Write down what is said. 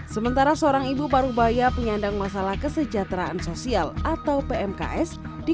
sementara seorang ibu parubaya penyandang masalah kesejahteraan sosial atau pmks di